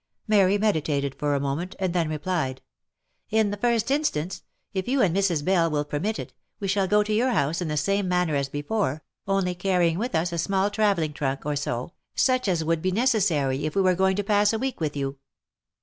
Mary meditated for a moment, and then replied —" In the first in stance, if you and Mrs. Bell will permit it, we shall go to your house in the same manner a sbefore, only carrying with us a small travelling trunk or so, such as would be necessary if we were going to pass a week with you.